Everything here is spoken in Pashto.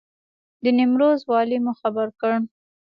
د نیمروز والي مو خبر کړ.